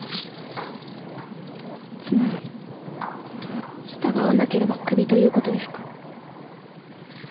つまり従わなければ首ということですか？